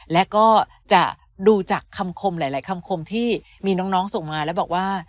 และก็จะดูจากคำคมหลายคำคมที่มีน้องส่งมาแล้วบอกว่า